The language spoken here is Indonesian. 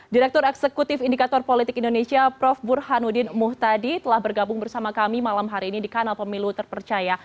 direktur eksekutif indikator politik indonesia prof burhanuddin muhtadi telah bergabung bersama kami malam hari ini di kanal pemilu terpercaya